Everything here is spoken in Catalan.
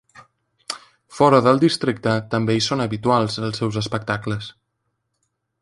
Fora del districte, també hi són habituals, els seus espectacles.